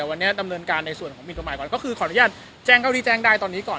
วันนี้ดำเนินการในส่วนของหมินกฎหมายก่อนก็คือขออนุญาตแจ้งเท่าที่แจ้งได้ตอนนี้ก่อน